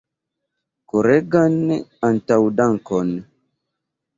Koregan antaŭdankon!